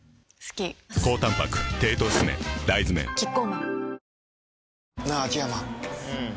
大豆麺キッコーマン